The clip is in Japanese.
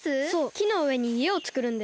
きのうえにいえをつくるんだよ。